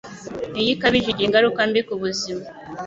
iyo ikabije igira ingaruka mbi ku buzima